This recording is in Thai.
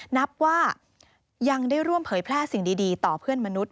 นับว่ายังได้ร่วมเผยแพร่สิ่งดีต่อเพื่อนมนุษย